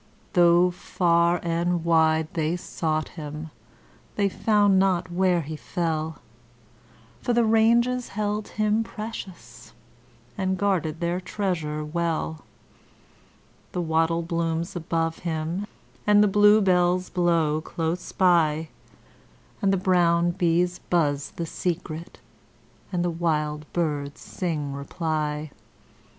Though far and wide they sought him, they found not where he fell; For the ranges held him precious, and guarded their treasure well. The wattle blooms above him, and the blue bells blow close by, And the brown bees buzz the secret, and the wild birds sing reply.